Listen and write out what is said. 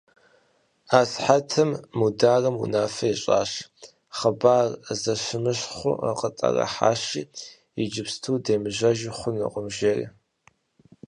А сыхьэтым Мударым унафэ ищӀащ: «Хъыбар зэщымыщхъу къытӀэрыхьащи, иджыпсту демыжьэжу хъунукъым», – жери.